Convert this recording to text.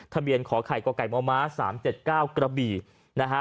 ทะเบียนขอไข่ก๋วไก่ม้อม้าสามเจ็ดเก้ากระบี่นะฮะ